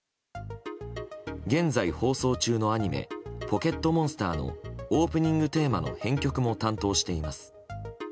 現在放送中のアニメ「ポケットモンスター」のオープニングテーマの編曲も担当しています。